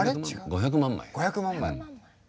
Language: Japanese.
５００万枚。